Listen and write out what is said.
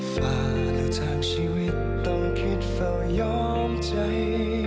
ฝ่าและทางชีวิตต้องคิดเฝ้ายอมใจ